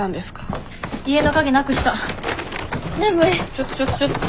ちょっとちょっとちょっと。